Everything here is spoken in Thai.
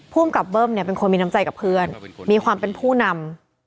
ภูมิกับเบิ้มเนี่ยเป็นคนมีน้ำใจกับเพื่อนมีความเป็นผู้นำ